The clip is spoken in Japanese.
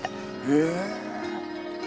へえ。